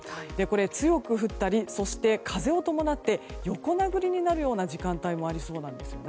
強く降ったり、風を伴って横殴りになるような時間帯もありそうなんです。